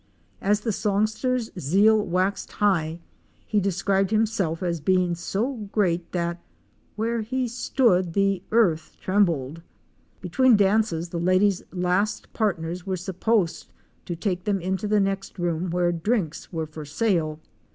As the songster's zeal waxed high he described himself as being so great that 'where he stood the earth trembled." Between dances the ladies' last partners were supposed to take them into the next room where drinks were for sale.